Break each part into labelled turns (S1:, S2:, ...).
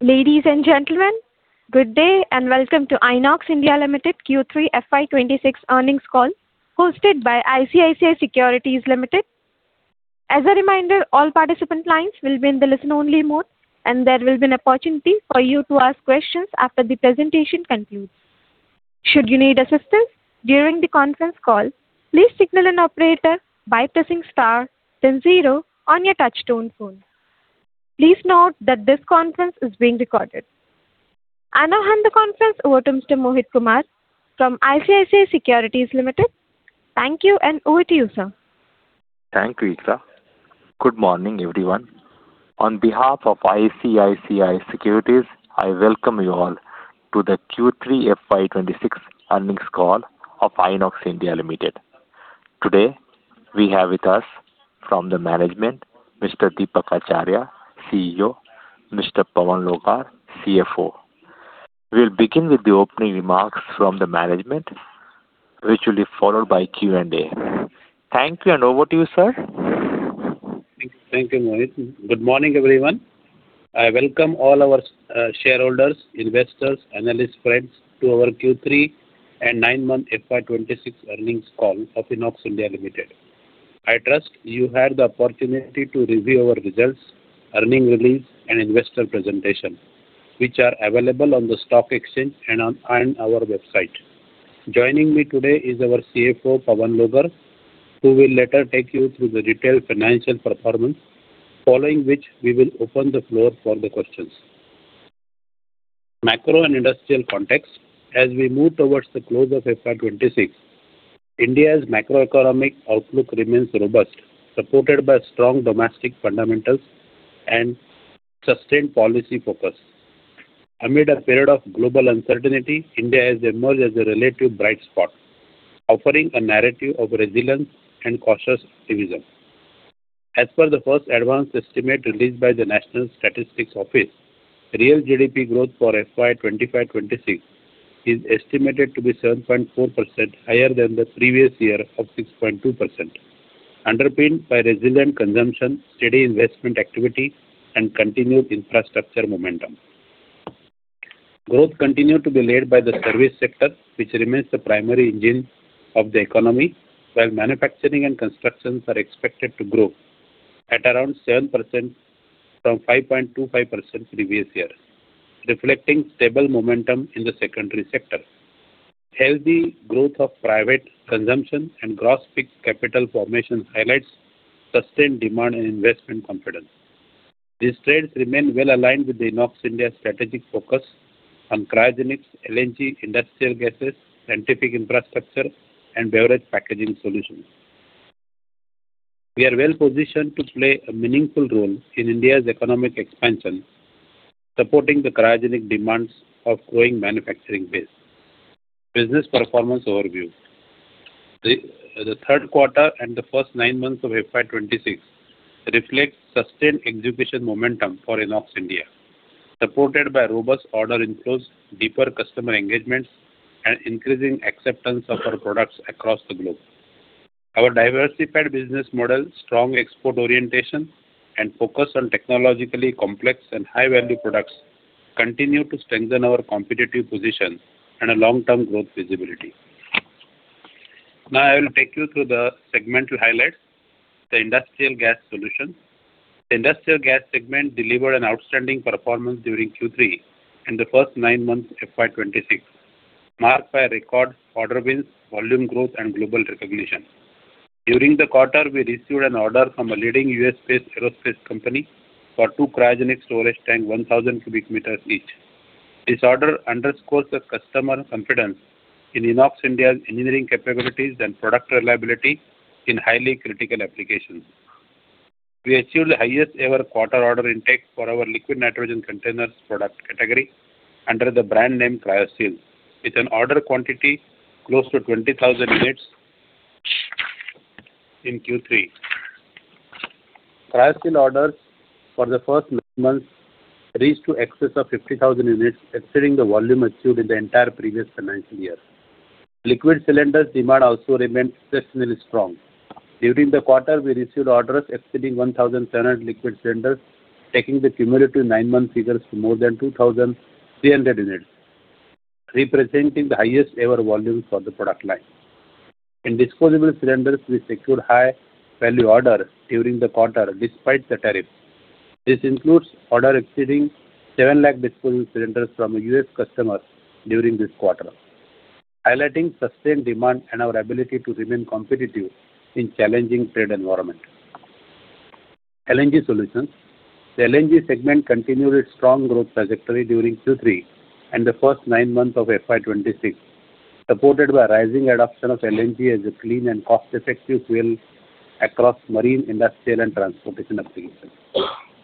S1: Ladies and gentlemen, good day, and welcome to INOX India Limited Q3 FY 2026 earnings call, hosted by ICICI Securities Limited. As a reminder, all participant lines will be in the listen-only mode, and there will be an opportunity for you to ask questions after the presentation concludes. Should you need assistance during the conference call, please signal an operator by pressing star then zero on your touchtone phone. Please note that this conference is being recorded. I now hand the conference over to Mr. Mohit Kumar from ICICI Securities Limited. Thank you, and over to you, sir.
S2: Thank you, Diksha. Good morning, everyone. On behalf of ICICI Securities, I welcome you all to the Q3 FY 2026 earnings call of INOX India Limited. Today, we have with us from the management, Mr. Deepak Acharya, CEO, Mr. Pavan Logar, CFO. We'll begin with the opening remarks from the management, which will be followed by Q&A. Thank you, and over to you, sir.
S3: Thank you, Mohit. Good morning, everyone. I welcome all our shareholders, investors, analyst friends to our Q3 and nine-month FY 2026 earnings call of INOX India Limited. I trust you had the opportunity to review our results, earnings release, and investor presentation, which are available on the stock exchange and on our website. Joining me today is our CFO, Pavan Logar, who will later take you through the detailed financial performance, following which we will open the floor for the questions. Macro and industrial context. As we move towards the close of FY 2026, India's macroeconomic outlook remains robust, supported by strong domestic fundamentals and sustained policy focus. Amid a period of global uncertainty, India has emerged as a relative bright spot, offering a narrative of resilience and cautious optimism. As per the first advanced estimate released by the National Statistical Office, real GDP growth for FY 2025-2026 is estimated to be 7.4% higher than the previous year of 6.2%, underpinned by resilient consumption, steady investment activity, and continued infrastructure momentum. Growth continued to be led by the service sector, which remains the primary engine of the economy, while manufacturing and constructions are expected to grow at around 7% from 5.25% previous year, reflecting stable momentum in the secondary sector. Healthy growth of private consumption and gross fixed capital formation highlights sustained demand and investment confidence. These trends remain well aligned with the INOX India strategic focus on cryogenics, LNG, industrial gases, scientific infrastructure, and beverage packaging solutions. We are well positioned to play a meaningful role in India's economic expansion, supporting the cryogenic demands of growing manufacturing base. Business performance overview. The third quarter and the first nine months of FY 2026 reflect sustained execution momentum for INOX India, supported by robust order inflows, deeper customer engagements, and increasing acceptance of our products across the globe. Our diversified business model, strong export orientation, and focus on technologically complex and high-value products continue to strengthen our competitive position and a long-term growth visibility. Now, I will take you through the segmental highlights. The industrial gas solutions. The industrial gas segment delivered an outstanding performance during Q3 and the first nine months of FY 2026, marked by a record order wins, volume growth, and global recognition. During the quarter, we received an order from a leading U.S.-based aerospace company for two cryogenic storage tanks, 1,000 cubic meters each. This order underscores the customer confidence in INOX India's engineering capabilities and product reliability in highly critical applications. We achieved the highest ever quarter order intake for our liquid nitrogen containers product category under the brand name, Cryoseal. It's an order quantity close to 20,000 units in Q3. Cryoseal orders for the first nine months reached to excess of 50,000 units, exceeding the volume achieved in the entire previous financial year. Liquid cylinders demand also remains exceptionally strong. During the quarter, we received orders exceeding 1,700 liquid cylinders, taking the cumulative nine-month figures to more than 2,300 units, representing the highest ever volume for the product line. In disposable cylinders, we secured high value order during the quarter, despite the tariff. This includes order exceeding 700,000 disposable cylinders from a U.S. customer during this quarter, highlighting sustained demand and our ability to remain competitive in challenging trade environment. LNG solutions. The LNG segment continued its strong growth trajectory during Q3 and the first nine months of FY 2026, supported by rising adoption of LNG as a clean and cost-effective fuel across marine, industrial, and transportation applications.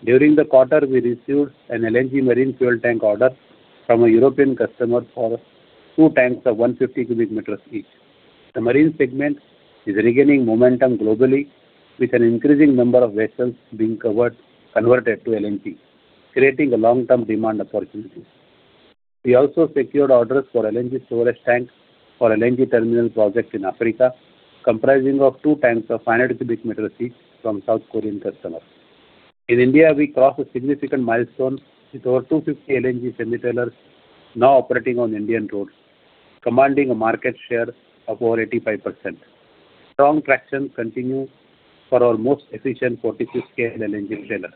S3: During the quarter, we received an LNG marine fuel tank order from a European customer for two tanks of 150 cubic meters each. The marine segment is regaining momentum globally, with an increasing number of vessels being converted to LNG, creating a long-term demand opportunity. We also secured orders for LNG storage tanks for LNG terminal projects in Africa, comprising two tanks of 500 cubic meter each from South Korean customers. In India, we crossed a significant milestone with over 250 LNG semi-trailers now operating on Indian roads, commanding a market share of over 85%. Strong traction continue for our most efficient 46 KL LNG trailer.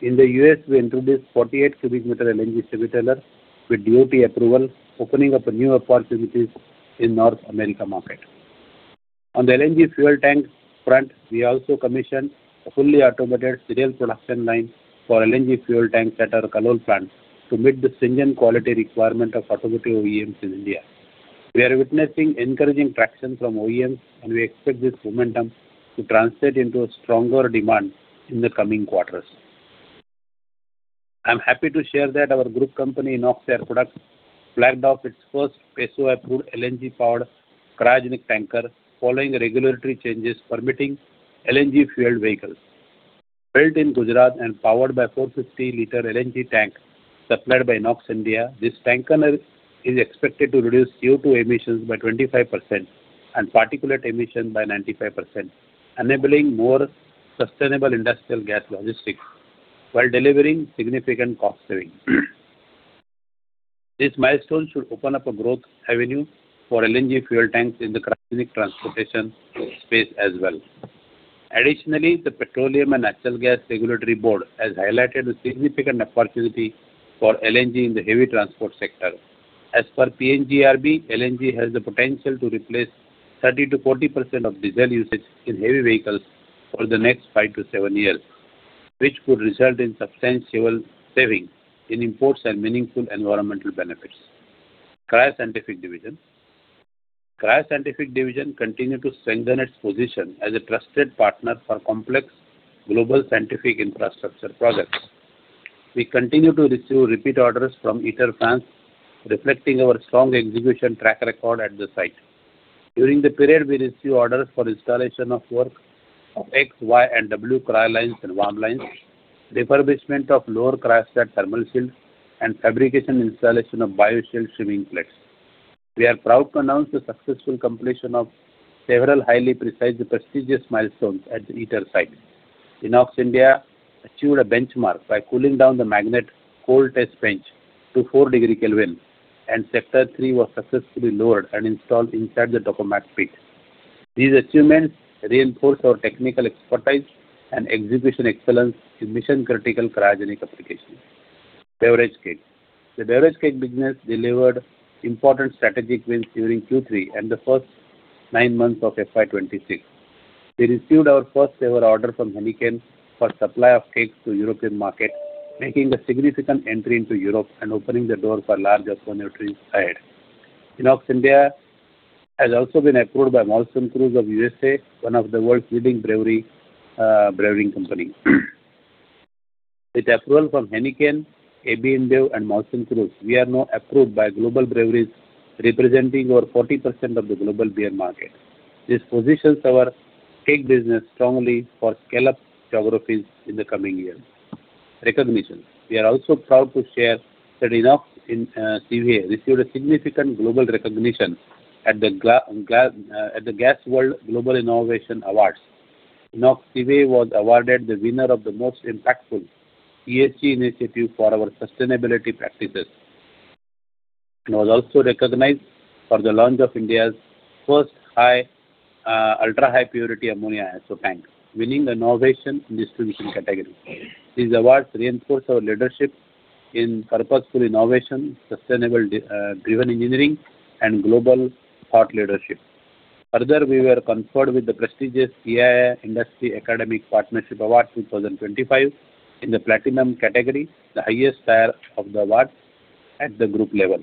S3: In the U.S., we introduced 48 cubic meter LNG semi-trailer with DOT approval, opening up new opportunities in North America market. On the LNG fuel tank front, we also commissioned a fully automated serial production line for LNG fuel tanks at our Kalol plant to meet the stringent quality requirement of automotive OEMs in India. We are witnessing encouraging traction from OEMs, and we expect this momentum to translate into a stronger demand in the coming quarters. I'm happy to share that our group company, INOX Air Products, flagged off its first PESO-approved LNG-powered cryogenic tanker following regulatory changes permitting LNG-fueled vehicles. Built in Gujarat and powered by 450-liter LNG tank supplied by INOX India, this tanker is expected to reduce CO2 emissions by 25% and particulate emissions by 95%, enabling more sustainable industrial gas logistics while delivering significant cost savings. This milestone should open up a growth avenue for LNG fuel tanks in the cryogenic transportation space as well. Additionally, the Petroleum and Natural Gas Regulatory Board has highlighted a significant opportunity for LNG in the heavy transport sector. As per PNGRB, LNG has the potential to replace 30%-40% of diesel usage in heavy vehicles over the next 5-7 years, which could result in substantial saving in imports and meaningful environmental benefits. Cryogenic division. Cryogenic division continued to strengthen its position as a trusted partner for complex global scientific infrastructure projects. We continue to receive repeat orders from ITER France, reflecting our strong execution track record at the site. During the period, we received orders for installation of work of X, Y, and W cryo lines and warm lines, refurbishment of lower cryostat thermal shield, and fabrication installation of bio-shield shim plates. We are proud to announce the successful completion of several highly precise and prestigious milestones at the ITER site. INOX India achieved a benchmark by cooling down the magnet cold test bench to 4 degree Kelvin, and Sector 3 was successfully lowered and installed inside the tokamak pit. These achievements reinforce our technical expertise and execution excellence in mission-critical cryogenic applications. Beverage keg. The beverage keg business delivered important strategic wins during Q3 and the first nine months of FY 2026. We received our first-ever order from Heineken for supply of kegs to European market, making a significant entry into Europe and opening the door for large opportunity ahead. INOX India has also been approved by Molson Coors of USA, one of the world's leading brewery, brewing company. With approval from Heineken, AB InBev, and Molson Coors, we are now approved by global breweries representing over 40% of the global beer market. This positions our keg business strongly for scale-up geographies in the coming years. Recognition. We are also proud to share that INOXCVA received a significant global recognition at the Gasworld Global Innovation Awards. INOXCVA was awarded the winner of the Most Impactful ESG Initiative for our sustainability practices, and was also recognized for the launch of India's first ultra-high purity ammonia ISO tank, winning the Innovation in Distribution category. These awards reinforce our leadership in purposeful innovation, sustainable driven engineering, and global thought leadership. Further, we were conferred with the prestigious CII Industry Academic Partnership Award 2025 in the Platinum category, the highest tier of the award at the group level.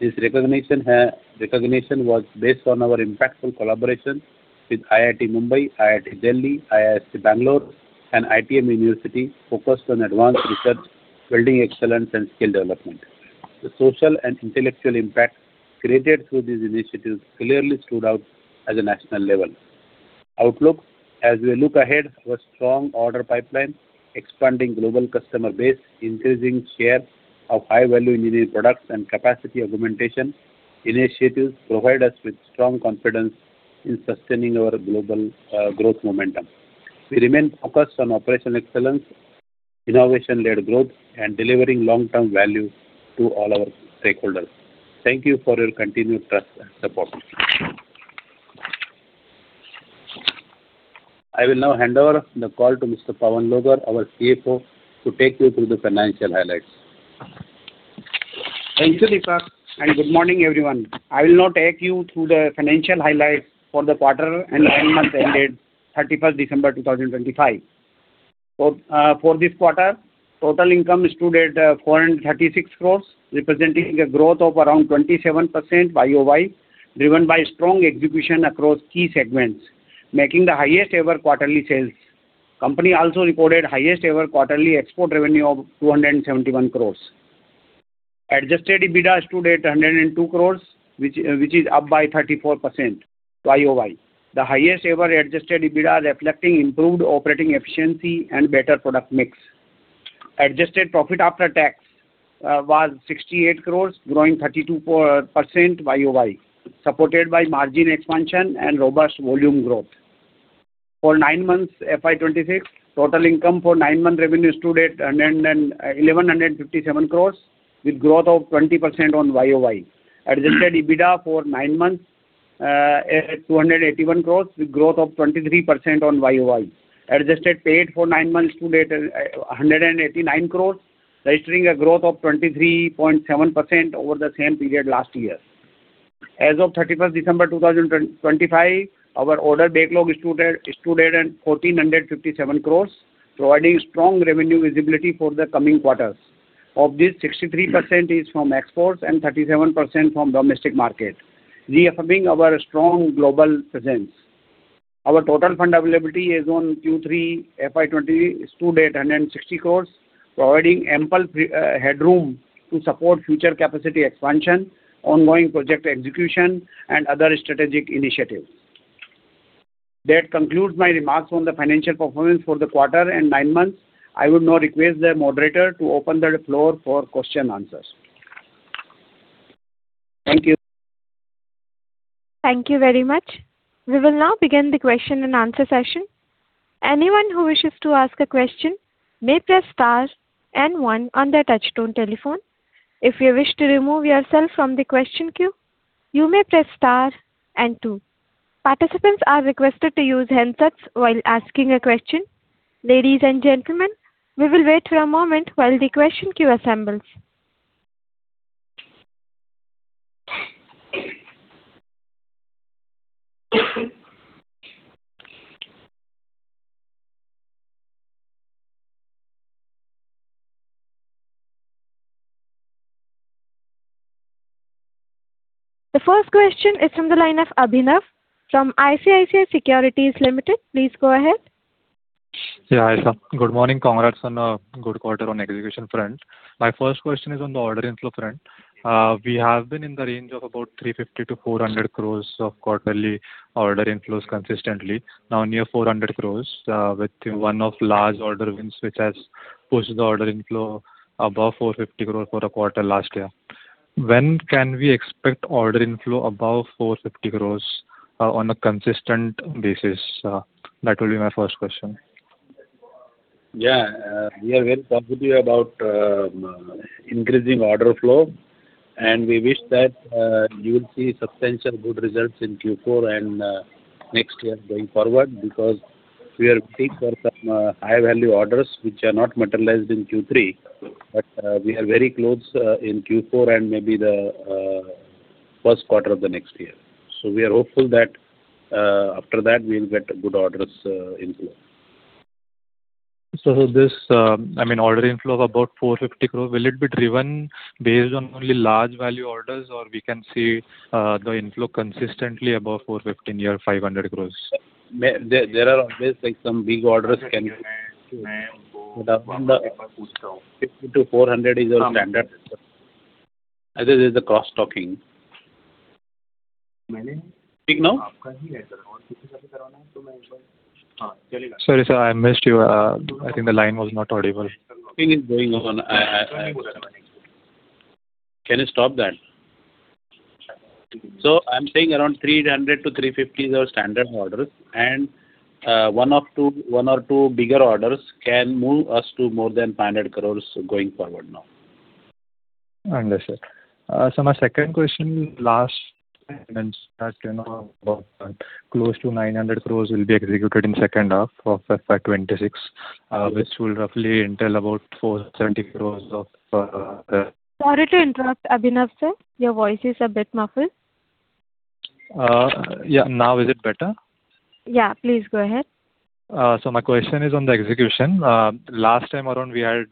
S3: This recognition was based on our impactful collaboration with IIT Bombay, IIT Delhi, IISc Bangalore, and ITM University, focused on advanced research, building excellence, and skill development. The social and intellectual impact created through these initiatives clearly stood out at the national level. Outlook. As we look ahead, our strong order pipeline, expanding global customer base, increasing share of high-value engineered products, and capacity augmentation initiatives provide us with strong confidence in sustaining our global growth momentum. We remain focused on operational excellence, innovation-led growth, and delivering long-term value to all our stakeholders. Thank you for your continued trust and support. I will now hand over the call to Mr. Pavan Logar, our CFO, to take you through the financial highlights.
S4: Thank you, Deepak, and good morning, everyone. I will now take you through the financial highlights for the quarter and nine months ended thirty-first December, two thousand and twenty-five. For this quarter, total income stood at 436 crore, representing a growth of around 27% YoY, driven by strong execution across key segments, making the highest-ever quarterly sales. Company also reported highest-ever quarterly export revenue of 271 crore. Adjusted EBITDA stood at 102 crore, which is up by 34% YoY. The highest ever adjusted EBITDA, reflecting improved operating efficiency and better product mix. Adjusted profit after tax was 68 crore, growing 32% YoY, supported by margin expansion and robust volume growth. For nine months, FY 2026, total income for nine month revenue stood at 1,157 crores, with growth of 20% on YoY. Adjusted EBITDA for nine months at 281 crores, with growth of 23% on YoY. Adjusted PAT for nine months to date a hundred and eighty-nine crores, registering a growth of 23.7% over the same period last year. As of December 31, 2025, our order backlog stood at 1,457 crores, providing strong revenue visibility for the coming quarters. Of this, 63% is from exports and 37% from domestic market, reaffirming our strong global presence. Our total fund availability as on Q3 FY 2020 stood at 160 crores, providing ample pre headroom to support future capacity expansion, ongoing project execution, and other strategic initiatives. That concludes my remarks on the financial performance for the quarter and nine months. I would now request the moderator to open the floor for question and answers. Thank you.
S1: Thank you very much. We will now begin the question and answer session. Anyone who wishes to ask a question may press star and one on their touchtone telephone. If you wish to remove yourself from the question queue, you may press star and two. Participants are requested to use handsets while asking a question. Ladies and gentlemen, we will wait for a moment while the question queue assembles. The first question is from the line of Abhinav from ICICI Securities Limited. Please go ahead.
S5: Yeah, hi, sir. Good morning. Congrats on a good quarter on execution front. My first question is on the order inflow front. We have been in the range of about 350 crore-400 crore of quarterly order inflows consistently, now near 400 crore, with one of large order wins, which has pushed the order inflow above 450 crore for the quarter last year. When can we expect order inflow above 450 crore, on a consistent basis? That will be my first question.
S4: Yeah, we are very positive about increasing order flow, and we wish that you will see substantial good results in Q4 and next year going forward, because we are waiting for some high-value orders, which are not materialized in Q3, but we are very close in Q4 and maybe the first quarter of the next year. So we are hopeful that after that, we'll get good orders inflow.
S5: So this, I mean, order inflow of about 450 crore, will it be driven based on only large value orders, or we can see, the inflow consistently above 450 crore near 500 crore?
S4: There are always, like, some big orders. 30-400 is our standard. This is the cross-talking.
S5: Sorry, sir, I missed you. I think the line was not audible.
S4: Thing is going on. I... Can you stop that? So I'm saying around 300-350 is our standard order, and one of two, one or two bigger orders can move us to more than 500 crore going forward now.
S5: Understood. So my second question, last time, you mentioned that, you know, about close to 900 crore will be executed in the second half of FY 2026, which will roughly entail about 470 crore of,
S1: Sorry to interrupt, Abhinav, sir. Your voice is a bit muffled.
S5: Yeah. Now is it better?
S1: Yeah. Please go ahead.
S5: So my question is on the execution. Last time around, we had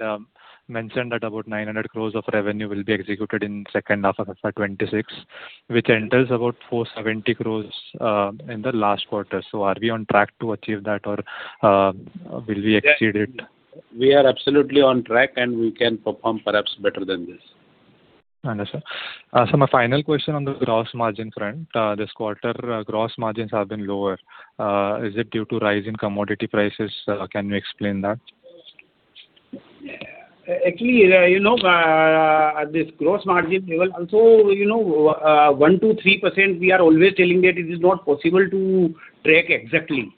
S5: mentioned that about 900 crore of revenue will be executed in second half of FY 2026, which entails about 470 crore in the last quarter. So are we on track to achieve that, or will we exceed it?
S4: We are absolutely on track, and we can perform perhaps better than this.
S5: Understood. So my final question on the gross margin front. This quarter, gross margins have been lower. Is it due to rise in commodity prices? Can you explain that?
S4: Yeah. Actually, you know, this gross margin will also, you know, 1%-3%, we are always telling that it is not possible to track exactly.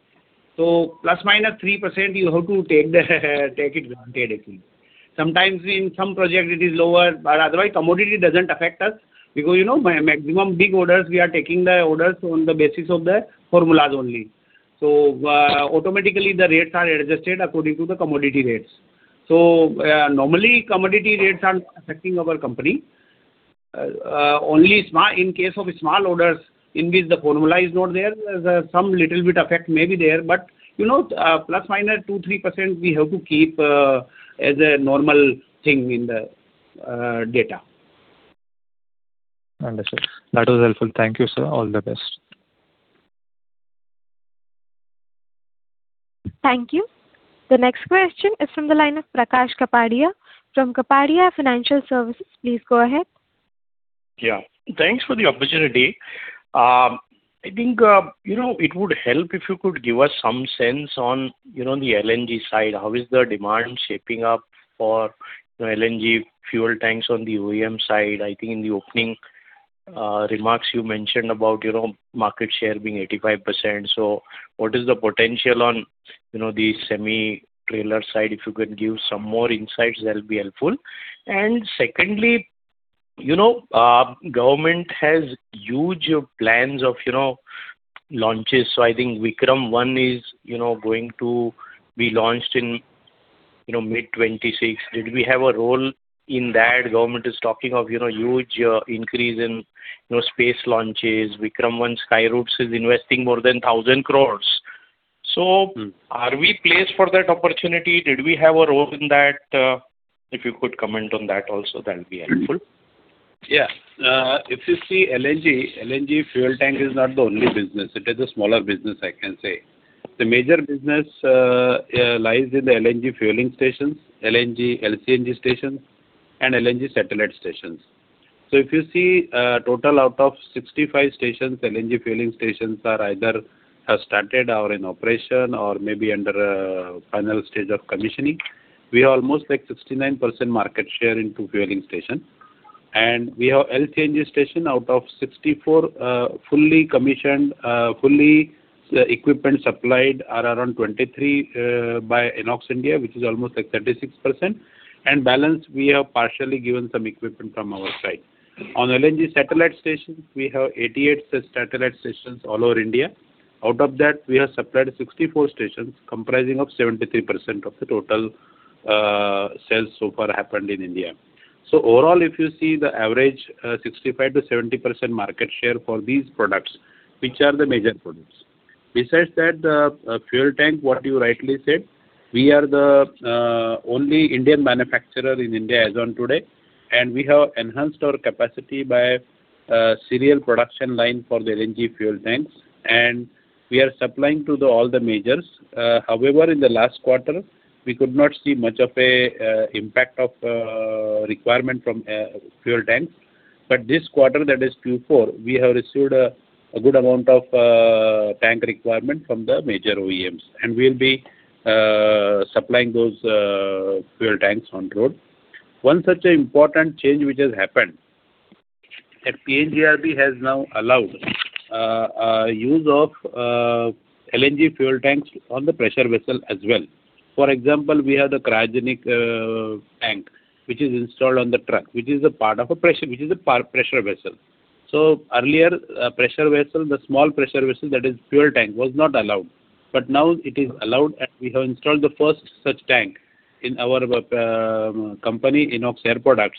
S4: So ±3%, you have to take it granted, actually. Sometimes in some project, it is lower, but otherwise, commodity doesn't affect us because, you know, my maximum big orders, we are taking the orders on the basis of the formulas only. So, automatically, the rates are adjusted according to the commodity rates. So, normally, commodity rates are affecting our company. Only small in case of small orders in which the formula is not there, some little bit effect may be there, but, you know, ±2%-3%, we have to keep as a normal thing in the data.
S5: Understood. That was helpful. Thank you, sir. All the best.
S1: Thank you. The next question is from the line of Prakash Kapadia from Kapadia Financial Services. Please go ahead.
S6: Yeah. Thanks for the opportunity. I think, you know, it would help if you could give us some sense on, you know, the LNG side. How is the demand shaping up for, you know, LNG fuel tanks on the OEM side? I think in the opening, remarks you mentioned about, you know, market share being 85%. So what is the potential on, you know, the semi-trailer side? If you could give some more insights, that'll be helpful. And secondly, you know, government has huge plans of, you know, launches, so I think Vikram-1 is, you know, going to be launched in, you know, mid-2026. Did we have a role in that? Government is talking of, you know, huge, increase in, you know, space launches. Vikram-1, Skyroot is investing more than 1,000 crore. So are we placed for that opportunity? Did we have a role in that? If you could comment on that also, that would be helpful.
S3: Yeah. If you see LNG, LNG fuel tank is not the only business. It is a smaller business, I can say. The major business lies in the LNG fueling stations, LNG, LCNG stations, and LNG satellite stations. So if you see, total out of 65 stations, LNG fueling stations are either have started or in operation or maybe under final stage of commissioning. We are almost like 69% market share into fueling station, and we have LCNG station out of 64, fully commissioned, fully equipment supplied are around 23 by INOX India, which is almost like 36%, and balance, we have partially given some equipment from our side. On LNG satellite stations, we have 88 satellite stations all over India. Out of that, we have supplied 64 stations, comprising of 73% of the total sales so far happened in India. So overall, if you see the average, 65%-70% market share for these products, which are the major products. Besides that, the fuel tank, what you rightly said, we are the only Indian manufacturer in India as on today, and we have enhanced our capacity by a serial production line for the LNG fuel tanks, and we are supplying to the all the majors. However, in the last quarter, we could not see much of a impact of requirement from fuel tank, but this quarter, that is Q4, we have received a good amount of tank requirement from the major OEMs, and we'll be supplying those fuel tanks on road. One such important change which has happened, PNGRB has now allowed a use of LNG fuel tanks on the pressure vessel as well. For example, we have the cryogenic tank, which is installed on the truck, which is a part of a pressure vessel. So earlier, pressure vessel, the small pressure vessel, that is fuel tank, was not allowed, but now it is allowed, and we have installed the first such tank in our company, INOX Air Products,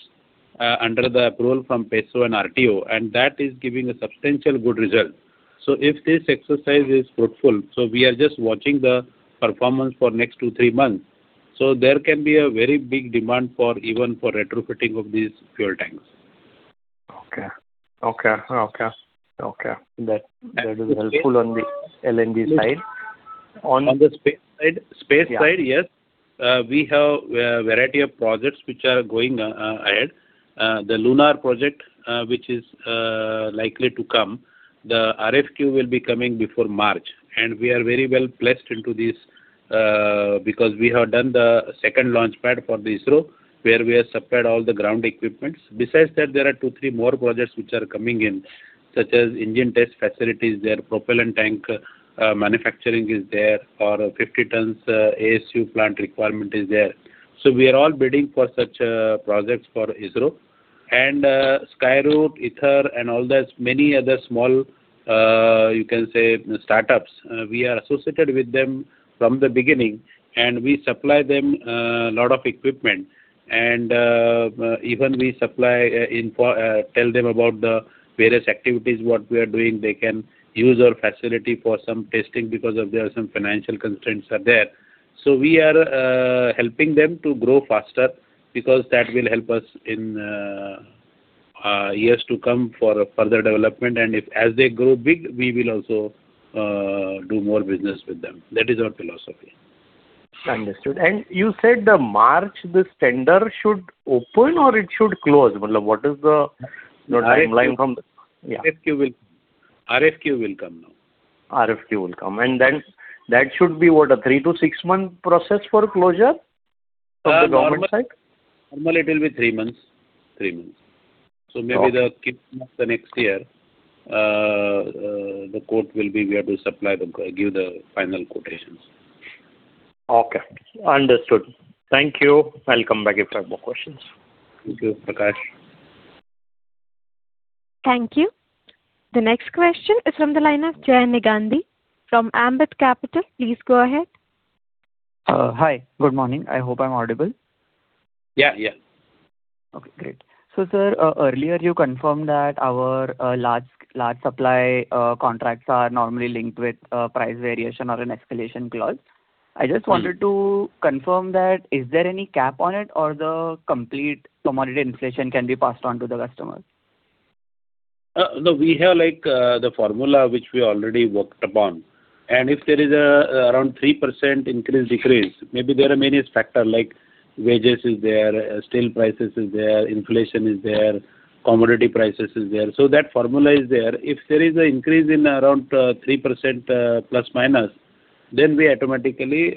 S3: under the approval from PESO and RTO, and that is giving a substantial good result. So if this exercise is fruitful, so we are just watching the performance for next two, three months, so there can be a very big demand for even retrofitting of these fuel tanks.
S6: Okay. That is helpful on the LNG side. On-
S3: On the space side, yes, we have a variety of projects which are going ahead. The lunar project, which is likely to come, the RFQ will be coming before March, and we are very well placed into this, because we have done the second launch pad for the ISRO, where we have supplied all the ground equipment. Besides that, there are two, three more projects which are coming in, such as Indian test facilities, their propellant tank manufacturing is there, or 50 tons ASU plant requirement is there. So we are all bidding for such projects for ISRO. And, Skyroot, Agnikul, and all the many other small, you can say, startups, we are associated with them from the beginning, and we supply them a lot of equipment. And even we supply info... Tell them about the various activities what we are doing. They can use our facility for some testing because of there are some financial constraints are there. So we are helping them to grow faster because that will help us in years to come for further development, and if, as they grow big, we will also do more business with them. That is our philosophy.
S6: Understood. You said the March, this tender should open or it should close? What is the timeline from the... Yeah.
S3: RFQ will come now.
S6: RFQ will come. And then that should be, what, a 3-6-month process for closure from the government side?
S3: Normally, it will be three months. Three months. So maybe the kick of the next year, the quote will be, we have to supply the, give the final quotations.
S7: Okay, understood. Thank you. I'll come back if I have more questions.
S3: Thank you, Prakash.
S1: Thank you. The next question is from the line of Jay Gandhi from Ambit Capital. Please go ahead.
S8: Hi, good morning. I hope I'm audible.
S3: Yeah, yeah.
S8: Okay, great. So, sir, earlier you confirmed that our large supply contracts are normally linked with price variation or an escalation clause. I just wanted to confirm that. Is there any cap on it, or the complete commodity inflation can be passed on to the customers?
S3: No, we have like, the formula which we already worked upon, and if there is a around 3% increase, decrease, maybe there are many factor like wages is there, steel prices is there, inflation is there, commodity prices is there. So that formula is there. If there is an increase in around, three percent, plus minus, then we automatically,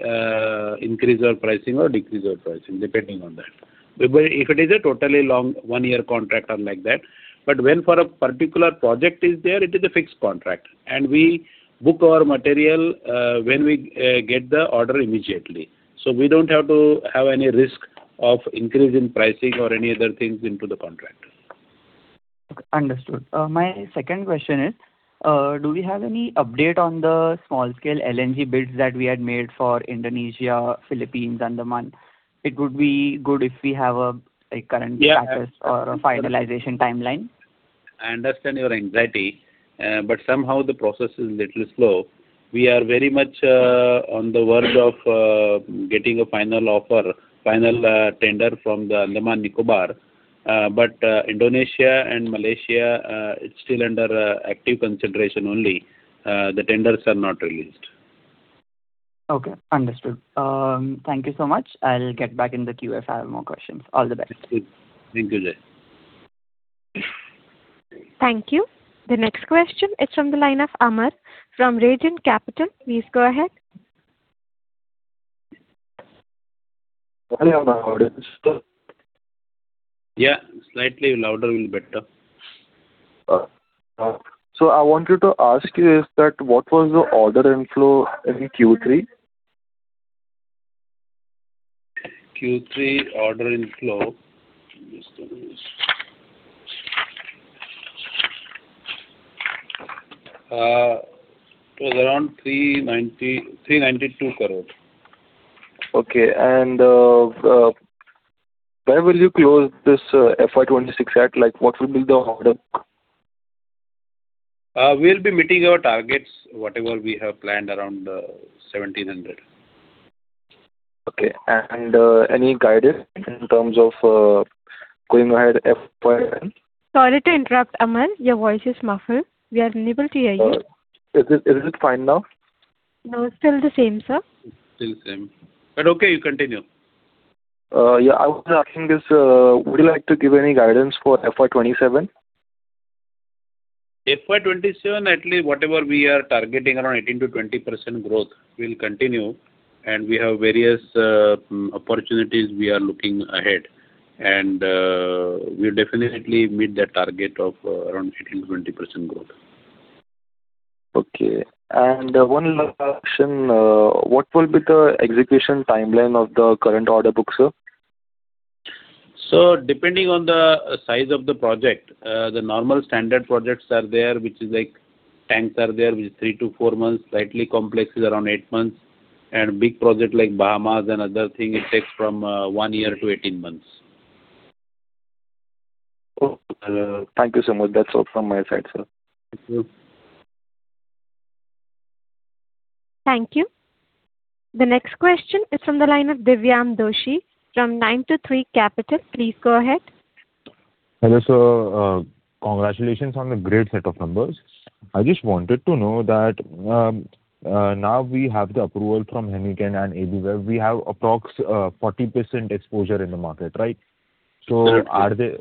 S3: increase our pricing or decrease our pricing, depending on that. But if it is a totally long one-year contract or like that, but when for a particular project is there, it is a fixed contract, and we book our material, when we, get the order immediately. So we don't have to have any risk of increase in pricing or any other things into the contract.
S8: Understood. My second question is, do we have any update on the small-scale LNG bids that we had made for Indonesia, Philippines, Andaman? It would be good if we have a current status.
S3: Yeah.
S8: Or a finalization timeline.
S3: I understand your anxiety, but somehow the process is a little slow. We are very much on the verge of getting a final offer, final tender from the Andaman and Nicobar. But Indonesia and Malaysia, it's still under active consideration only. The tenders are not released.
S8: Okay, understood. Thank you so much. I'll get back in the queue if I have more questions. All the best.
S3: Thank you, sir.
S1: Thank you. The next question is from the line of Amar from Radiant Capital. Please go ahead.
S9: Hello, my audience.
S3: Yeah, slightly louder will be better.
S9: I wanted to ask you is that what was the order inflow in Q3?
S3: Q3 order inflow, it was around 392 crore.
S9: Okay. Where will you close this FY 2026 at? Like, what will be the order?
S3: We'll be meeting our targets, whatever we have planned around 1,700.
S9: Okay. Any guidance in terms of going ahead FY?
S1: Sorry to interrupt, Amar. Your voice is muffled. We are unable to hear you.
S9: Is it fine now?
S1: No, it's still the same, sir.
S3: Still same. But okay, you continue.
S9: Yeah. I was asking this, would you like to give any guidance for FY 2027?
S3: FY 2027, at least whatever we are targeting around 18%-20% growth will continue, and we have various opportunities we are looking ahead. We'll definitely meet the target of around 18%-20% growth.
S9: Okay. And one last question, what will be the execution timeline of the current order book, sir?
S3: Depending on the size of the project, the normal standard projects are there, which is like tanks are there, which is 3-4 months, slightly complex is around 8 months, and big project like mammoth and other thing, it takes from, one year to 18 months.
S9: Oh, thank you so much. That's all from my side, sir.
S3: Thank you.
S1: Thank you. The next question is from the line of Divyam Doshi from 93 Capital. Please go ahead.
S10: Hello, sir. Congratulations on the great set of numbers. I just wanted to know that, now we have the approval from Heineken and AB InBev, we have approx, 40% exposure in the market, right?
S3: Correct.
S10: So,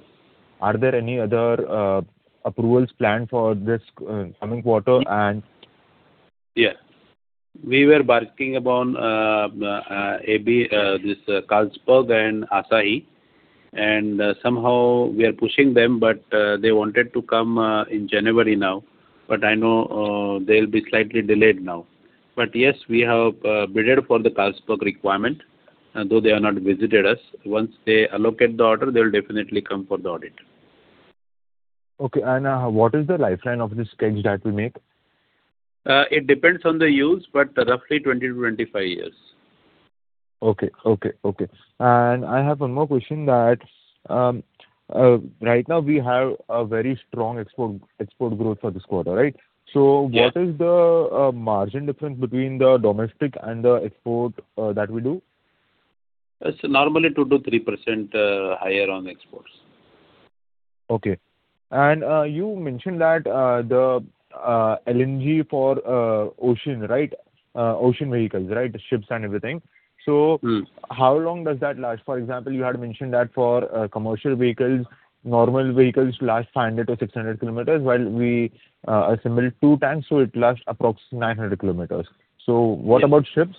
S10: are there any other approvals planned for this coming quarter and-
S3: Yeah. We were working upon AB this Carlsberg and Asahi, and somehow we are pushing them, but they wanted to come in January now, but I know they'll be slightly delayed now. But yes, we have bided for the Carlsberg requirement, and though they have not visited us, once they allocate the order, they will definitely come for the audit.
S10: Okay. What is the lifeline of the keg that we make?
S3: It depends on the use, but roughly 20-25 years.
S10: Okay, okay, okay. I have one more question that, right now we have a very strong export, export growth for this quarter, right?
S3: Yeah.
S10: What is the margin difference between the domestic and the export that we do?
S3: It's normally 2%-3% higher on exports.
S10: Okay. And, you mentioned that, the LNG for ocean, right? Ocean vehicles, right? Ships and everything.
S3: Mm.
S10: So how long does that last? For example, you had mentioned that for commercial vehicles, normal vehicles last 500-600 km, while we assemble 2 tanks, so it lasts approximately 900 km.
S3: Yeah.
S10: What about ships?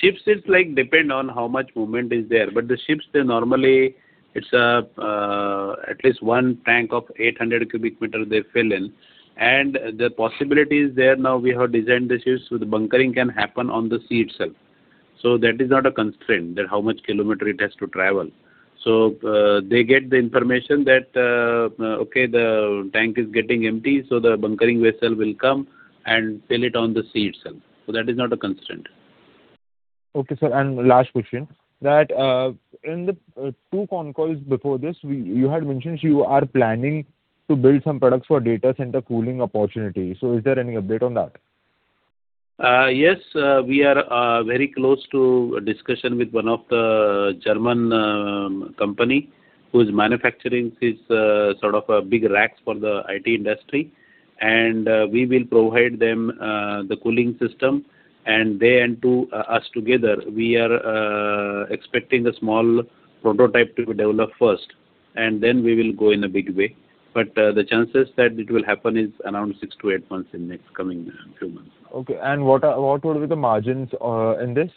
S3: Ships, it's like depend on how much movement is there. But the ships, they normally, it's a, at least one tank of 800 cubic meter they fill in. And the possibility is there now, we have designed the ships, so the bunkering can happen on the sea itself. So that is not a constraint, that how much kilometer it has to travel. So, they get the information that, okay, the tank is getting empty, so the bunkering vessel will come and fill it on the sea itself. So that is not a constraint.
S10: Okay, sir, last question: in the two concalls before this, you had mentioned you are planning to build some products for data center cooling opportunity. So, is there any update on that?
S3: Yes, we are very close to a discussion with one of the German company, who is manufacturing this sort of a big racks for the IT industry. And we will provide them the cooling system, and they and to us together, we are expecting a small prototype to be developed first, and then we will go in a big way. But the chances that it will happen is around 6-8 months in next coming few months.
S10: Okay. What would be the margins in this?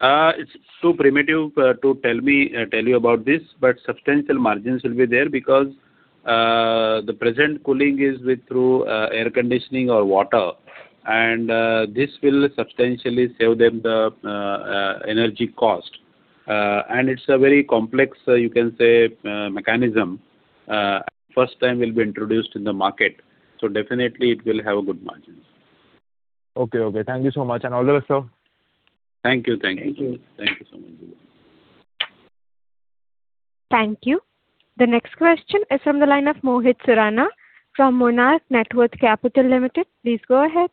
S3: It's too primitive to tell you about this, but substantial margins will be there because the present cooling is through air conditioning or water, and this will substantially save them the energy cost. And it's a very complex, you can say, mechanism. First time will be introduced in the market, so definitely it will have a good margin.
S10: Okay, okay. Thank you so much, and all the best, sir.
S3: Thank you. Thank you.
S10: Thank you.
S3: Thank you so much.
S1: Thank you. The next question is from the line of Mohit Surana from Monarch Networth Capital Limited. Please go ahead.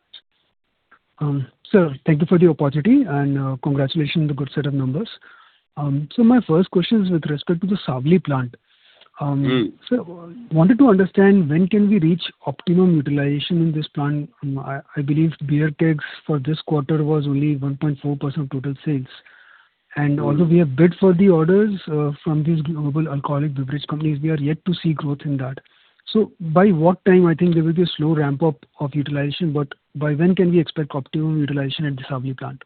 S11: Sir, thank you for the opportunity, and congratulations on the good set of numbers. So my first question is with respect to the Savli plant.
S3: Mm.
S11: Sir, wanted to understand, when can we reach optimum utilization in this plant? I believe beer kegs for this quarter was only 1.4% of total sales.
S3: Mm.
S11: Although we have bid for the orders from these global alcoholic beverage companies, we are yet to see growth in that. By what time I think there will be a slow ramp-up of utilization, but by when can we expect optimum utilization at the Savli plant?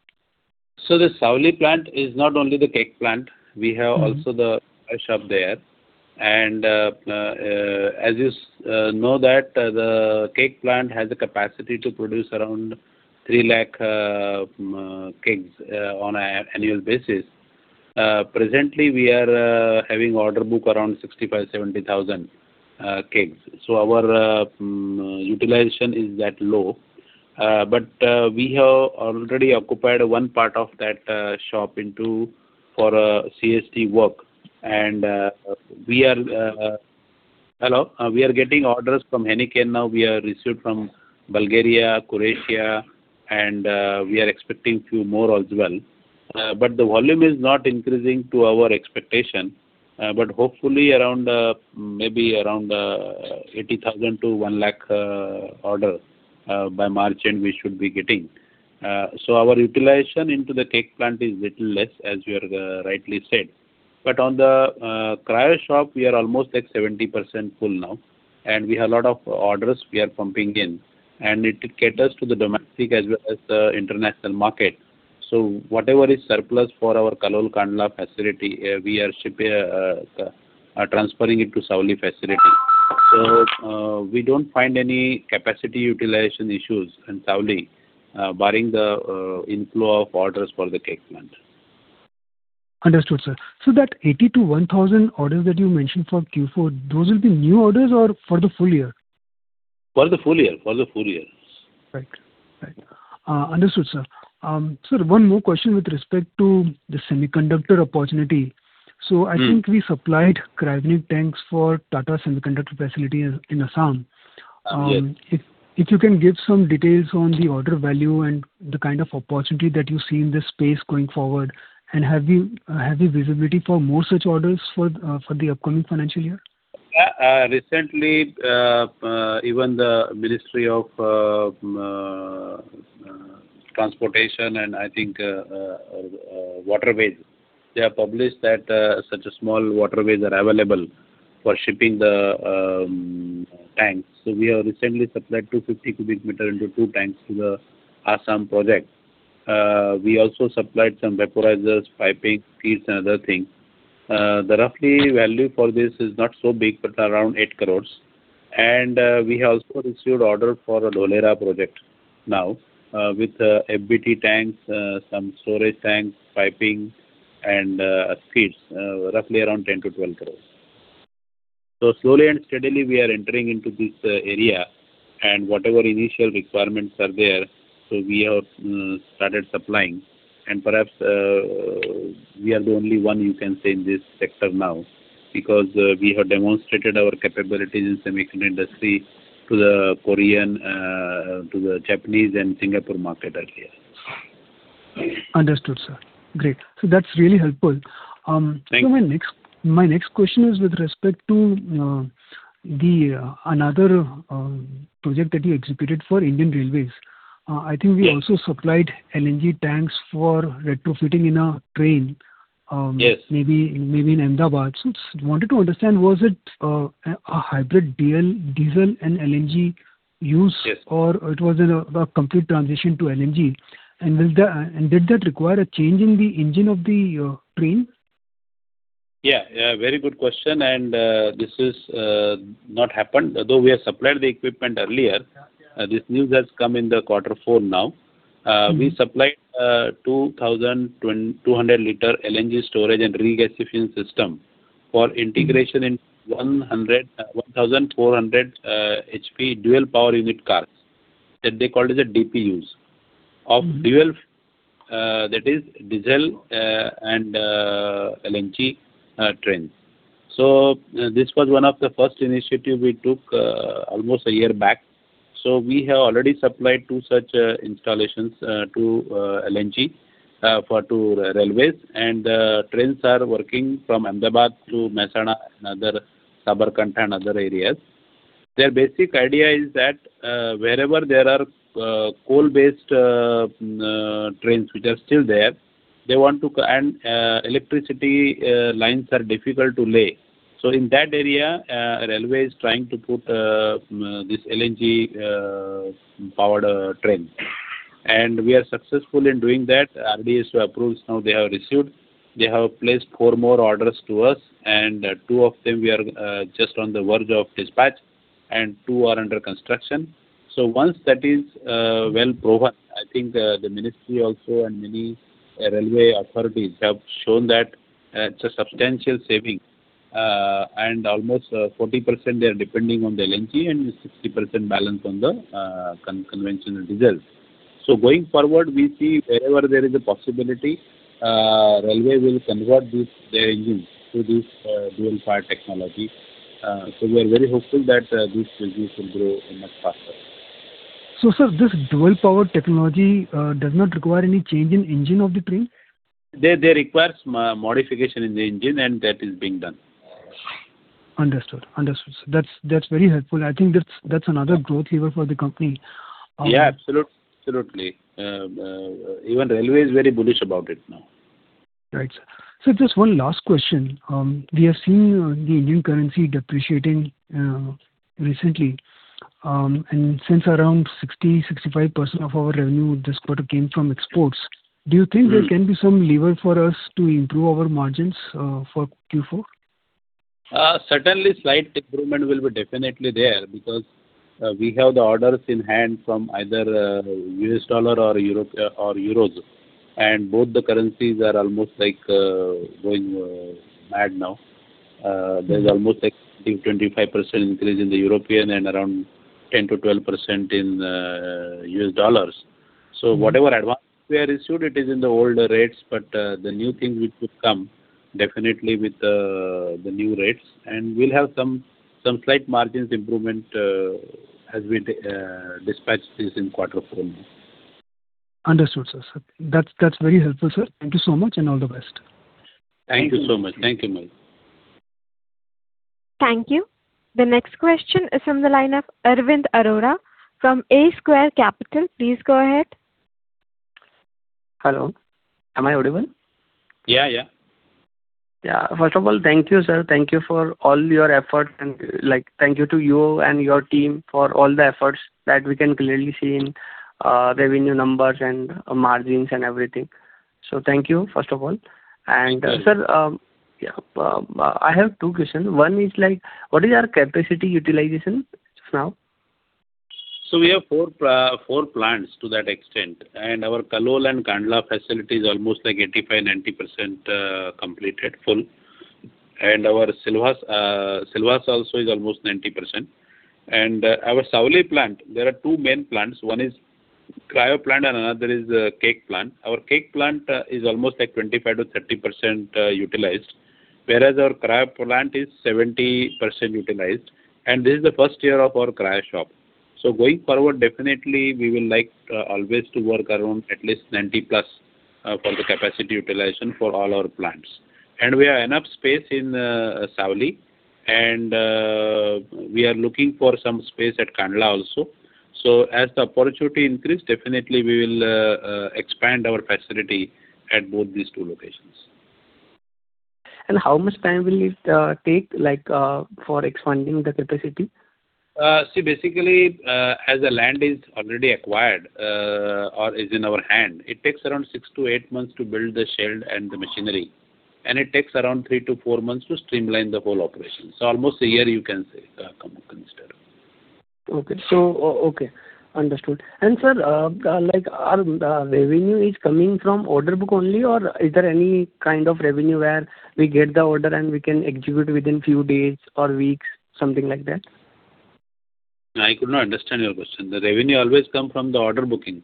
S3: The Savli plant is not only the keg plant, we have-
S11: Mm-hmm
S3: Also the shop there. And, as you know that the keg plant has the capacity to produce around 300,000 kegs on an annual basis. Presently we are having order book around 65-70,000 kegs. So our utilization is that low. But we have already occupied one part of that shop into for CST work. And we are... Hello? We are getting orders from Heineken now. We have received from Bulgaria, Croatia, and we are expecting few more as well. But the volume is not increasing to our expectation, but hopefully around maybe around 80,000-100,000 order by March end, we should be getting. So our utilization into the keg plant is little less, as you have rightly said. But on the cryo shop, we are almost at 70% full now, and we have a lot of orders we are pumping in, and it caters to the domestic as well as the international market. So whatever is surplus for our Kalol Kandla facility, we are shipping, are transferring it to Savli facility. So, we don't find any capacity utilization issues in Savli, barring the inflow of orders for the keg plant.
S11: Understood, sir. So that 80-1,000 orders that you mentioned for Q4, those will be new orders or for the full year?
S3: For the full year. For the full year.
S11: Right. Right. Understood, sir. Sir, one more question with respect to the semiconductor opportunity.
S3: Mm.
S11: I think we supplied cryogenic tanks for Tata Semiconductor facility in Assam.
S3: Yes.
S11: If you can give some details on the order value and the kind of opportunity that you see in this space going forward, and have you visibility for more such orders for the upcoming financial year?
S3: Recently, even the Ministry of Transportation and, I think, Waterways, they have published that such a small waterways are available for shipping the tanks. So we have recently supplied 250 cubic meter into two tanks to the Assam project. We also supplied some vaporizers, piping, feeds, and other things. The roughly value for this is not so big, but around 8 crore. And we have also received order for a Dholera project now, with VBT tanks, some storage tanks, piping, and feeds, roughly around 10-12 crore. So slowly and steadily we are entering into this area, and whatever initial requirements are there, so we have started supplying. Perhaps, we are the only one, you can say, in this sector now, because, we have demonstrated our capabilities in semiconductor industry to the Korean, to the Japanese and Singapore market earlier.
S11: Understood, sir. Great. So that's really helpful.
S3: Thank you.
S11: My next question is with respect to another project that you executed for Indian Railways.
S3: Yes.
S11: I think we also supplied LNG tanks for retrofitting in a train.
S3: Yes.
S11: Maybe, maybe in Ahmedabad. So wanted to understand, was it a hybrid DL, diesel and LNG use?
S3: Yes.
S11: Or it was in a complete transition to LNG? And did that require a change in the engine of the train?
S3: Yeah, yeah, very good question, and this is not happened. Although we have supplied the equipment earlier, this news has come in quarter four now.
S11: Mm.
S3: We supplied 200-liter LNG storage and regasification system for integration-
S11: Mm
S3: In 1,400 HP dual power unit cars, that they call it the DPUs-
S11: Mm-hmm.
S3: Of dual-fuel, that is diesel and LNG trains. So, this was one of the first initiative we took, almost a year back. So we have already supplied two such installations to LNG for two railways, and the trains are working from Ahmedabad to Mehsana, and other Sabarkantha and other areas. Their basic idea is that, wherever there are coal-based trains which are still there, they want to and electricity lines are difficult to lay. So in that area, railway is trying to put this LNG powered train. And we are successful in doing that. RDSO approves, now they have received. They have placed four more orders to us, and two of them we are just on the verge of dispatch, and two are under construction. So once that is well proven, I think the ministry also and many railway authorities have shown that it's a substantial saving and almost 40% they are depending on the LNG and 60% balance on the conventional diesel. So going forward, we see wherever there is a possibility, railway will convert the engine to this dual-fired technology. So we are very hopeful that this business will grow much faster.
S11: So, sir, this dual-powered technology does not require any change in engine of the train?
S3: They, they require some modification in the engine, and that is being done.
S11: Understood. Understood, sir. That's very helpful. I think that's another growth here for the company.
S3: Yeah, absolutely. Even railway is very bullish about it now.
S11: Right, sir. So just one last question. We have seen the Indian currency depreciating recently. And since around 60%-65% of our revenue this quarter came from exports, do you think?
S3: Mm-hmm
S11: There can be some lever for us to improve our margins, for Q4?
S3: Certainly, slight improvement will be definitely there because we have the orders in hand from either U.S. dollar or Europe or euros, and both the currencies are almost like going mad now. There's almost like 25% increase in the European and around 10%-12% in U.S. dollars.
S11: Mm.
S3: So whatever advance we have received, it is in the older rates, but the new things which would come definitely with the new rates. And we'll have some slight margins improvement as we dispatch this in quarter four only.
S11: Understood, sir. That's very helpful, sir. Thank you so much, and all the best.
S3: Thank you so much. Thank you, Mohit.
S1: Thank you. The next question is from the line of Arvind Arora from A Square Capital. Please go ahead.
S12: Hello, am I audible?
S3: Yeah, yeah.
S12: Yeah. First of all, thank you, sir. Thank you for all your effort and, like, thank you to you and your team for all the efforts that we can clearly see in revenue numbers and margins and everything. So thank you, first of all.
S3: Thank you.
S12: Sir, I have two questions. One is like, what is our capacity utilization just now?
S3: So we have four plants to that extent, and our Kalol and Kandla facility is almost like 85%-90% completed, full. And our Silvassa also is almost 90%. And our Savli plant, there are two main plants. One is cryo plant and another is keg plant. Our keg plant is almost like 25%-30% utilized, whereas our cryo plant is 70% utilized, and this is the first year of our cryo shop. So going forward, definitely, we will like always to work around at least 90+ for the capacity utilization for all our plants. And we have enough space in Savli, and we are looking for some space at Kandla also. So as the opportunity increase, definitely we will expand our facility at both these two locations.
S12: How much time will it take, like, for expanding the capacity?
S3: See, basically, as the land is already acquired, or is in our hand, it takes around 6-8 months to build the shell and the machinery, and it takes around 3-4 months to streamline the whole operation. So almost a year, you can say, consider.
S12: Okay. So, okay, understood. And sir, like, our revenue is coming from order book only, or is there any kind of revenue where we get the order and we can execute within few days or weeks, something like that?
S3: I could not understand your question. The revenue always come from the order booking.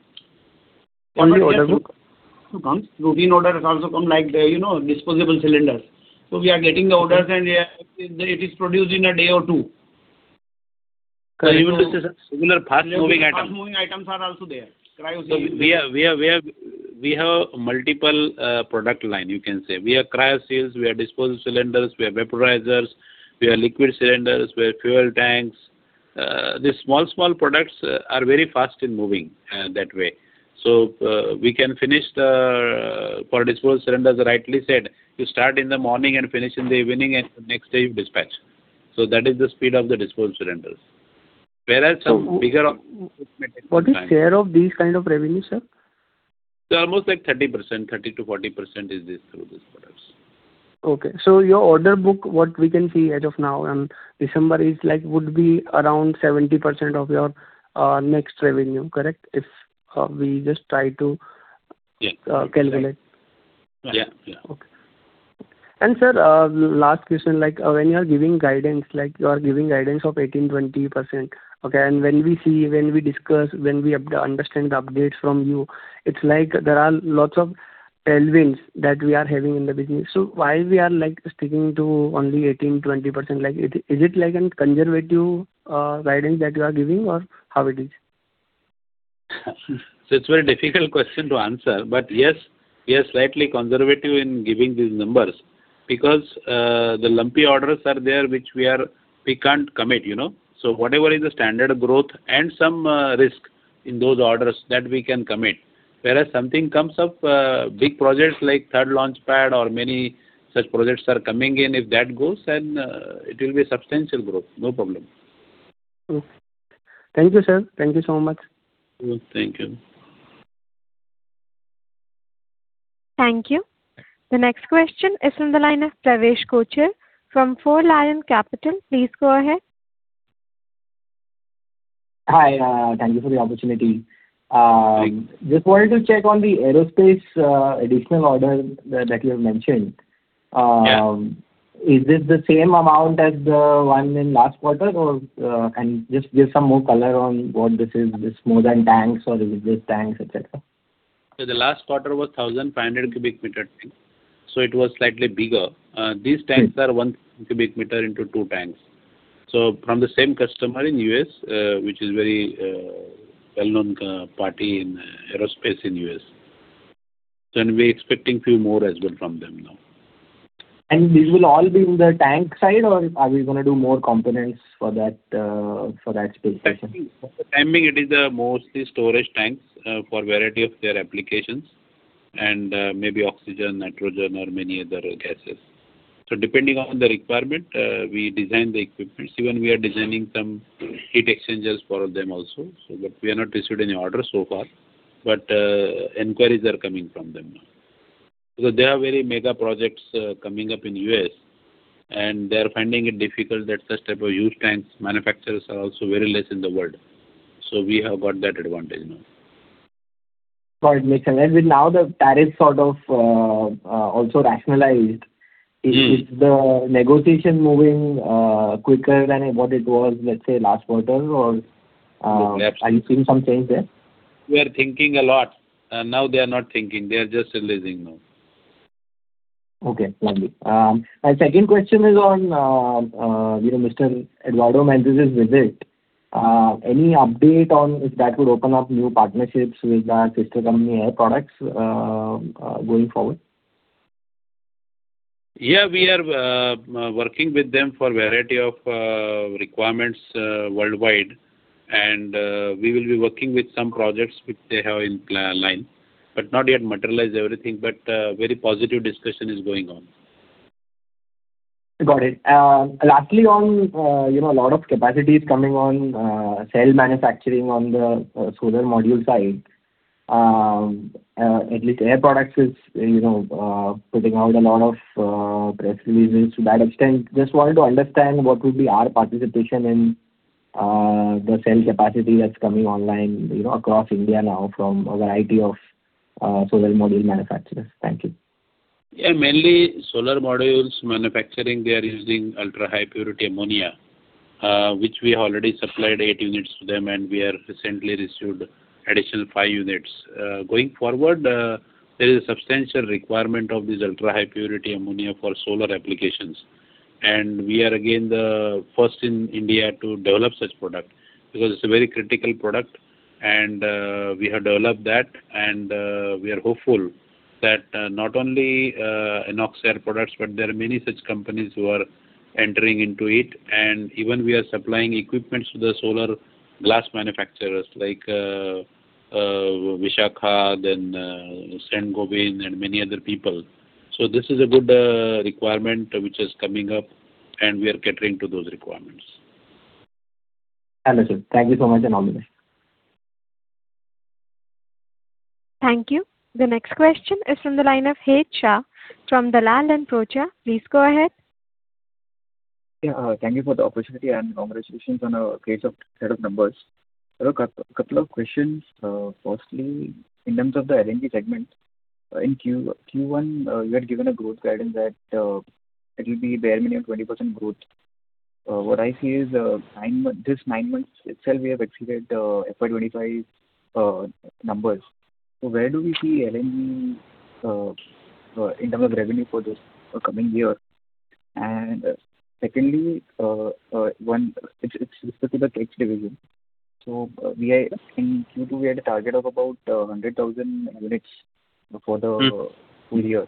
S12: From the order book.
S3: Routine orders also come, like the, you know, disposable cylinders. So we are getting the orders, and it is produced in a day or two.
S12: Even the similar fast-moving items.
S3: Fast-moving items are also there, cryo series. So we have multiple product line, you can say. We have cryo series, we have disposable cylinders, we have vaporizers, we have liquid cylinders, we have fuel tanks. These small products are very fast in moving that way. For disposable cylinders, rightly said, you start in the morning and finish in the evening, and next day you dispatch. So that is the speed of the disposable cylinders. Whereas some bigger-
S12: What is share of these kind of revenue, sir?
S3: They're almost like 30%, 30%-40% is this, through these products.
S12: Okay. So your order book, what we can see as of now, December is like would be around 70% of your next revenue, correct? If we just try to-
S3: Yeah
S12: Calculate.
S3: Yeah, yeah.
S12: Okay. Sir, last question, like, when you are giving guidance, like you are giving guidance of 18%-20%, okay? And when we see, when we discuss, when we understand the updates from you, it's like there are lots of tailwinds that we are having in the business. So why we are, like, sticking to only 18%-20%? Like, is it, is it like a conservative guidance that you are giving, or how it is?
S3: So it's a very difficult question to answer, but yes, we are slightly conservative in giving these numbers because the lumpy orders are there, which we can't commit, you know? So whatever is the standard growth and some risk in those orders that we can commit, whereas something comes up, big projects like third launchpad or many such projects are coming in, if that goes, then it will be a substantial growth. No problem.
S12: Okay. Thank you, sir. Thank you so much.
S3: Thank you.
S1: Thank you. The next question is from the line of Pravesh Kochar from FourLion Capital. Please go ahead.
S13: Hi, thank you for the opportunity.
S3: Hi.
S13: Just wanted to check on the aerospace additional order that you have mentioned?
S3: Yeah.
S13: Is it the same amount as the one in last quarter, or? Can you just give some more color on what this is, this more than tanks or is it just tanks, et cetera?
S3: So the last quarter was 1,500 cubic meter, so it was slightly bigger. These tanks-
S13: Mm.
S3: are 1 cubic meter into 2 tanks. So from the same customer in U.S., which is very well-known party in aerospace in U.S. So we're expecting few more as well from them now.
S13: These will all be in the tank side, or are we gonna do more components for that, for that space station?
S3: I mean, it is mostly storage tanks for variety of their applications and maybe oxygen, nitrogen, or many other gases. So depending on the requirement, we design the equipment. Even we are designing some heat exchangers for them also. So, but we have not received any order so far, but inquiries are coming from them now. So there are very mega projects coming up in U.S., and they're finding it difficult that such type of huge tanks, manufacturers are also very less in the world, so we have got that advantage now.
S13: Got it, makes sense. And with now the tariff sort of also rationalized-
S3: Mm.
S13: Is the negotiation moving quicker than what it was, let's say, last quarter, or
S3: Yes.
S13: Are you seeing some change there?
S3: We are thinking a lot, and now they are not thinking. They are just releasing now.
S13: Okay, lovely. My second question is on, you know, Mr. Edward Monser visit. Any update on if that would open up new partnerships with the sister company, Air Products, going forward?
S3: Yeah, we are working with them for a variety of requirements worldwide, and we will be working with some projects which they have in line, but not yet materialize everything, but very positive discussion is going on.
S13: Got it. Lastly, on, you know, a lot of capacities coming on, cell manufacturing on the, solar module side, at least Air Products is, you know, putting out a lot of, press releases to that extent. Just wanted to understand what would be our participation in, the cell capacity that's coming online, you know, across India now from a variety of, solar module manufacturers. Thank you.
S3: Yeah, mainly solar modules manufacturing, they are using ultrahigh purity ammonia, which we have already supplied 8 units to them, and we are recently received additional 5 units. Going forward, there is a substantial requirement of this ultrahigh purity ammonia for solar applications, and we are again the first in India to develop such product because it's a very critical product, and we have developed that, and we are hopeful that not only INOX Air Products, but there are many such companies who are entering into it. And even we are supplying equipments to the solar glass manufacturers like Vishakha, then Saint-Gobain, and many other people. So this is a good requirement which is coming up, and we are catering to those requirements.
S13: Understood. Thank you so much, and have a good day.
S1: Thank you. The next question is from the line of Het Shah from Dalal & Broacha. Please go ahead.
S14: Yeah, thank you for the opportunity, and congratulations on a great set of numbers. So a couple of questions. Firstly, in terms of the LNG segment, in Q1, you had given a growth guidance that it will be bare minimum of 20% growth. What I see is, nine months, this nine months itself, we have exceeded FY 2025 numbers. So where do we see LNG in terms of revenue for this coming year? And secondly, it's specific to the kegs division. So in Q2, we had a target of about 100,000 units for the-
S3: Mm.
S14: Full year.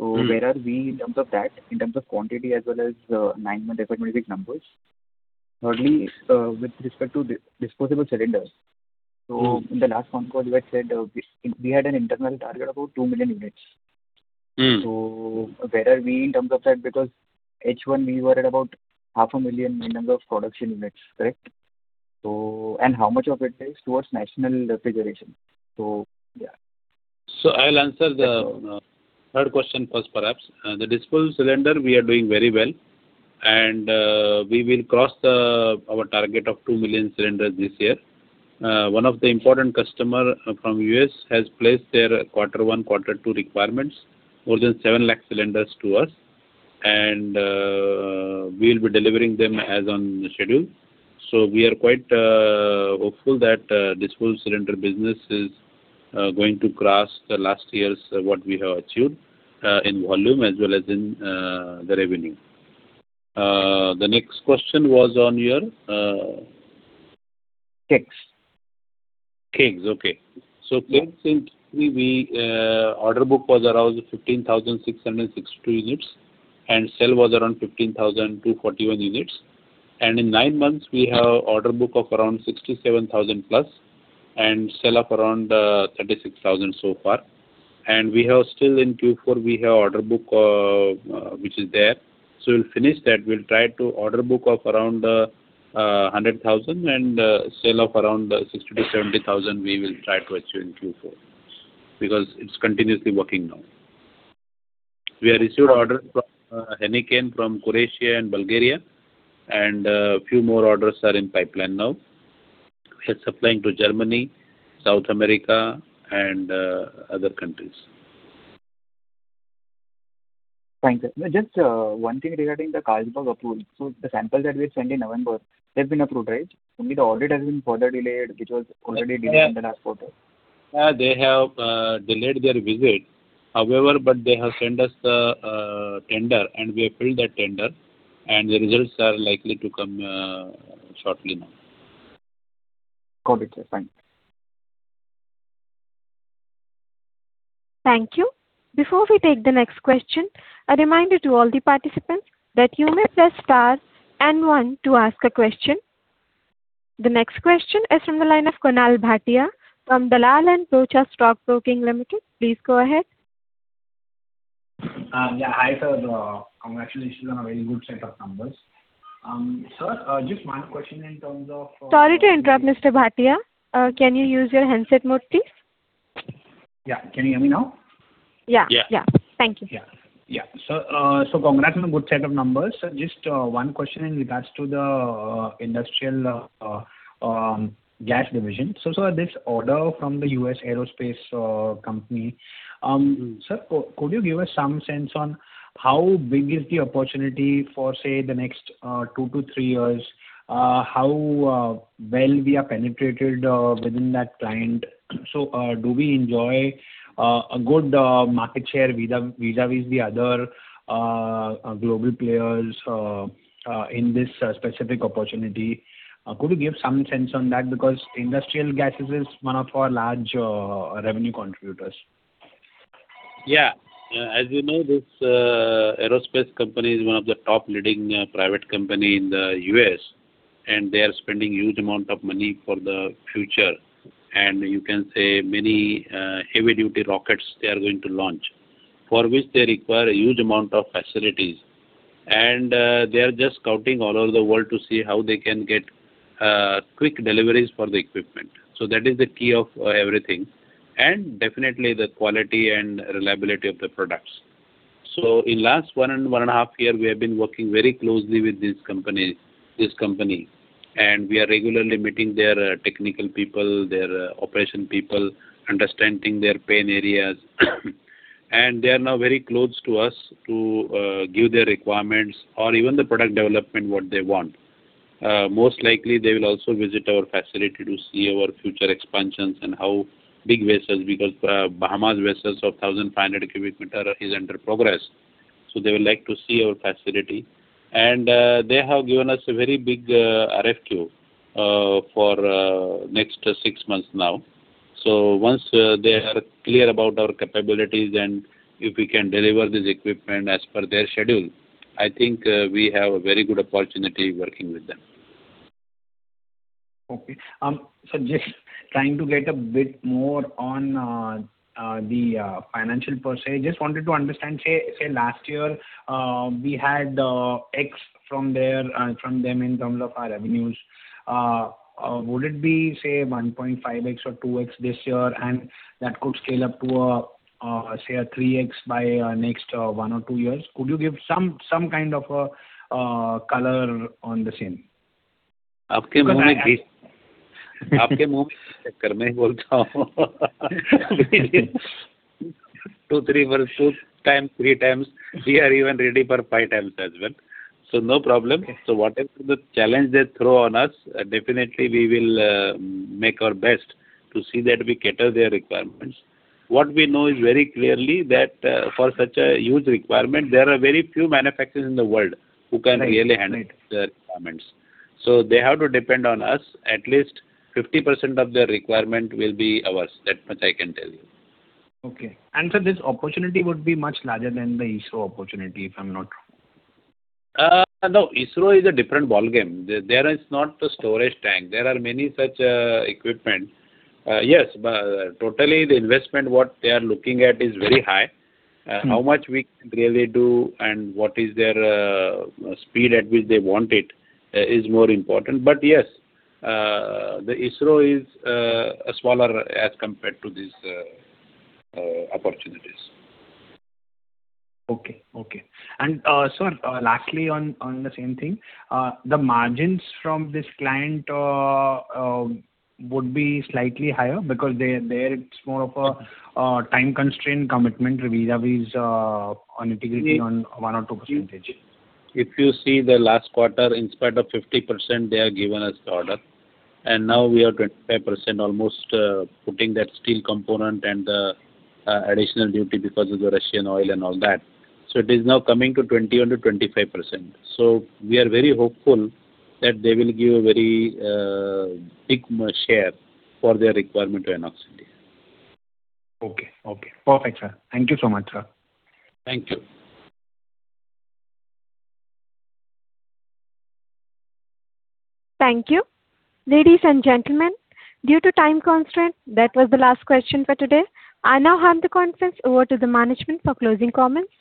S3: Mm.
S14: So where are we in terms of that, in terms of quantity as well as nine-month FY numbers? Thirdly, with respect to disposable cylinders.
S3: Mm.
S14: In the last concall, you had said, we had an internal target of about 2 million units.
S3: Mm.
S14: So where are we in terms of that? Because H1, we were at about 500,000 in terms of production units, correct? So. And how much of it is towards national refrigeration? So, yeah.
S3: I'll answer the-
S14: Sure.
S3: Third question first, perhaps. The disposable cylinder, we are doing very well... and we will cross our target of 2 million cylinders this year. One of the important customer from U.S. has placed their quarter one, quarter two requirements, more than 700,000 cylinders to us, and we'll be delivering them as on the schedule. So we are quite hopeful that this whole cylinder business is going to cross the last year's what we have achieved in volume as well as in the revenue. The next question was on your,
S14: Kegs.
S3: Kegs, okay. So kegs, since we, order book was around 15,662 units, and sales was around 15,241 units. And in nine months, we have order book of around 67,000+ and sales of around, thirty-six thousand so far. And we have still in Q4, we have order book, which is there. So we'll finish that. We'll try to order book of around, hundred thousand, and, sales of around 60,000-70,000 we will try to achieve in Q4, because it's continuously working now. We have received orders from, Heineken, from Croatia and Bulgaria, and, few more orders are in pipeline now. We are supplying to Germany, South America, and, other countries.
S14: Thank you. Just, one thing regarding the Carlsberg approval. So the sample that we sent in November, they've been approved, right? Only the audit has been further delayed, which was already delayed in the last quarter.
S3: Yeah, they have delayed their visit. However, but they have sent us the tender, and we have filled that tender, and the results are likely to come shortly now.
S14: Got it, sir. Thank you.
S1: Thank you. Before we take the next question, a reminder to all the participants that you may press star and one to ask a question. The next question is from the line of Kunal Bhatia from Dalal & Broacha Stock Broking Limited. Please go ahead.
S15: Yeah. Hi, sir. Congratulations on a very good set of numbers. Sir, just one question in terms of,
S1: Sorry to interrupt, Mr. Bhatia. Can you use your handset mode, please?
S15: Yeah. Can you hear me now?
S1: Yeah.
S3: Yeah.
S1: Yeah. Thank you.
S15: Yeah. Yeah. So, so congrats on a good set of numbers. So just, one question in regards to the, Industrial Gas division. So, sir, this order from the U.S. aerospace, company, sir, could, could you give us some sense on how big is the opportunity for, say, the next, two to three years? How well we are penetrated, within that client? So, do we enjoy, a good, market share vis-à-vis the other, global players, in this, specific opportunity? Could you give some sense on that? Because industrial gases is one of our large, revenue contributors.
S3: Yeah. As you know, this aerospace company is one of the top leading private company in the U.S., and they are spending huge amount of money for the future. And you can say many heavy-duty rockets they are going to launch, for which they require a huge amount of facilities. And they are just scouting all over the world to see how they can get quick deliveries for the equipment. So that is the key of everything, and definitely the quality and reliability of the products. So in last 1 and 1.5 year, we have been working very closely with this company, this company, and we are regularly meeting their technical people, their operation people, understanding their pain areas. They are now very close to us to give their requirements or even the product development, what they want. Most likely, they will also visit our facility to see our future expansions and how big vessels, because mammoth vessels of 1,500 cubic meter is under progress. So they would like to see our facility. And they have given us a very big RFQ for next six months now. So once they are clear about our capabilities and if we can deliver this equipment as per their schedule, I think we have a very good opportunity working with them.
S15: Okay. So just trying to get a bit more on the financial per se. Just wanted to understand, say last year, we had X from there, from them in terms of our revenues. Would it be, say, 1.5x or 2x this year, and that could scale up to a, say, a 3x by next one or two years? Could you give some kind of a color on the same?
S3: Two, three times, three times. We are even ready for five times as well. No problem. Whatever the challenge they throw on us, definitely we will make our best to see that we cater their requirements. What we know is very clearly that for such a huge requirement, there are very few manufacturers in the world who can really handle-
S15: Right.
S3: The requirements. So they have to depend on us. At least 50% of their requirement will be ours. That much I can tell you.
S15: Okay. And sir, this opportunity would be much larger than the ISRO opportunity, if I'm not wrong?
S3: No, ISRO is a different ballgame. There, there is not a storage tank. There are many such equipment. Yes, but totally the investment, what they are looking at is very high.
S15: Mm.
S3: How much we can really do and what is their speed at which they want it is more important. But yes, the ISRO is smaller as compared to these opportunities.
S15: Okay, okay. Sir, lastly on the same thing, the margins from this client would be slightly higher because they're, it's more of a time constraint commitment vis-à-vis on integrity on one or two percentage.
S3: If you see the last quarter, in spite of 50%, they have given us the order, and now we are 25% almost, putting that steel component and the additional duty because of the Russian oil and all that. So it is now coming to 20 under 25%. So we are very hopeful that they will give a very big share for their requirement to INOX India.
S15: Okay, okay. Perfect, sir. Thank you so much, sir.
S3: Thank you.
S1: Thank you. Ladies and gentlemen, due to time constraint, that was the last question for today. I now hand the conference over to the management for closing comments.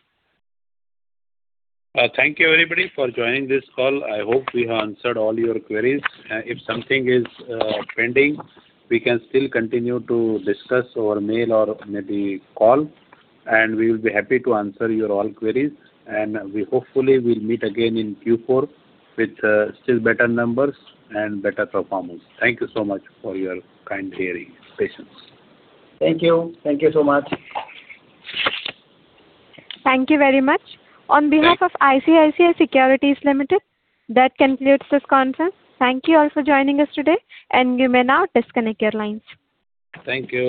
S3: Thank you, everybody, for joining this call. I hope we have answered all your queries, and if something is pending, we can still continue to discuss over mail or maybe call, and we will be happy to answer your all queries. We hopefully will meet again in Q4 with still better numbers and better performance. Thank you so much for your kind hearing, patience.
S15: Thank you. Thank you so much.
S1: Thank you very much. On behalf of ICICI Securities Limited, that concludes this conference. Thank you all for joining us today, and you may now disconnect your lines.
S3: Thank you.